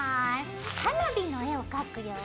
花火の絵を描くよ。